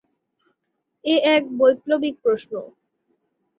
এ এক বৈপ্লবিক প্রশ্ন।